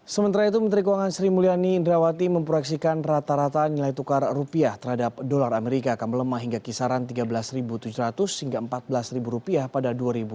sementara itu menteri keuangan sri mulyani indrawati memproyeksikan rata rata nilai tukar rupiah terhadap dolar amerika akan melemah hingga kisaran tiga belas tujuh ratus hingga empat belas rupiah pada dua ribu dua puluh